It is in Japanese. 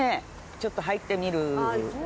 ちょっと入ってみる。